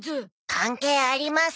関係ありません。